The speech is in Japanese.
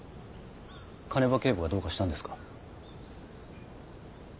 鐘場警部がどうかしたんですか？